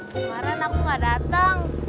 kemaren aku gak datang